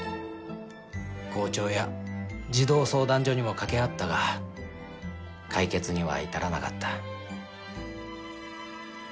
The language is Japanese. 校長や児童相談所にも掛け合ったが解決には至らなかった。